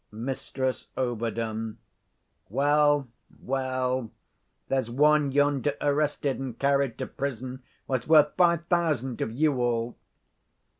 Mrs Ov. Well, well; there's one yonder arrested and carried to prison was worth five thousand of you all.